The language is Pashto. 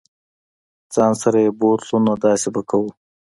ځان سره یې بوتلو نو داسې به کوو.